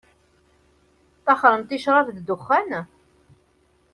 Tettaxxṛemt i ccṛab d dexxan?